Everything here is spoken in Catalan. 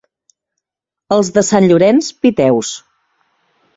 Els de Sant Llorenç, piteus.